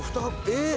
えっ！